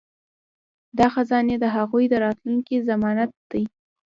دا خزانې د هغوی د راتلونکي ضمانت دي.